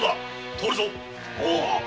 通るぞ！